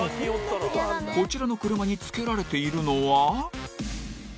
こちらの車につけられているのは。